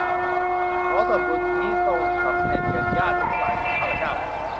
ขอส่วนบุญนี้จงสำเร็จแก่ญาติทั้งหลายของข้าพเจ้า